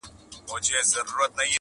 پاته له جهانه قافله به تر اسمانه وړم,